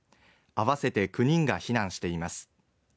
あわせて９人が避難しています。